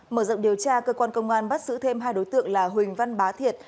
mở rộng điều tra cơ quan công an bắt giữ thêm hai đối tượng là huỳnh văn bá thiệt